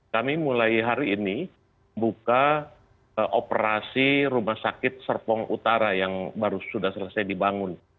kami mulai hari ini buka operasi rumah sakit serpong utara yang baru sudah selesai dibangun